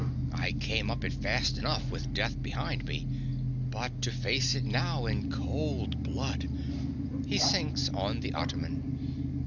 I came up it fast enough with death behind me. But to face it now in cold blood!—(_He sinks on the ottoman.